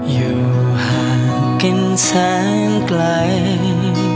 อยู่ห่างกินแสงไกล